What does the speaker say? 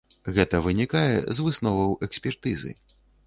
Гэта вынікае з высноваў экспертызы.